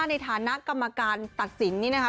ในฐานะกรรมการตัดสินนี้นะคะ